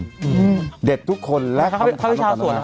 ทำวิชาส่วนนะคะต้องเด็ดทุกคน